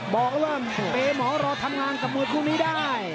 บอกว่าเตะหมอรอทำงานกับมือพวกนี้ได้